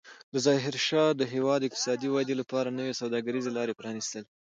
ظاهرشاه د هېواد د اقتصادي ودې لپاره نوې سوداګریزې لارې پرانستلې.